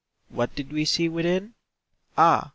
What did we see within? Ah!